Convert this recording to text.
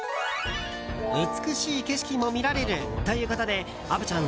美しい景色も見られるということで虻ちゃん